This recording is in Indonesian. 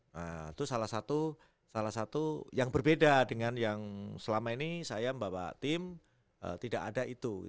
nah itu salah satu yang berbeda dengan yang selama ini saya membawa tim tidak ada itu